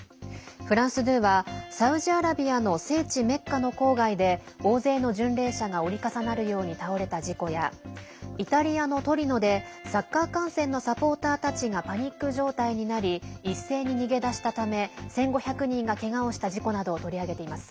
フランス２は、サウジアラビアの聖地メッカの郊外で大勢の巡礼者が折り重なるように倒れた事故やイタリアのトリノでサッカー観戦のサポーターたちがパニック状態になり一斉に逃げ出したため１５００人がけがをした事故などを取り上げています。